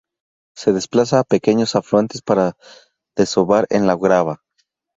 Se desplaza a pequeños afluentes para desovar en la grava.